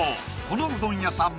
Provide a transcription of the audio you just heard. このうどん屋さん